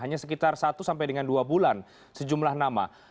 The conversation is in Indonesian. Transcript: hanya sekitar satu sampai dengan dua bulan sejumlah nama